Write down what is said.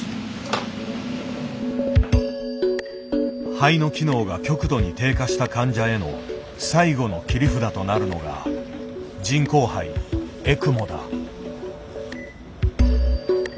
肺の機能が極度に低下した患者への最後の切り札となるのが人工肺「エクモ」だ。